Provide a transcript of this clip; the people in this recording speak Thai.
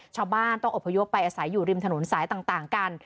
ชาวบ้านต้องอบพยพไปอาศัยอยู่ริมถนนสายต่างกัน